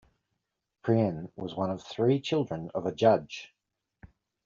Prien was one of three children of a judge.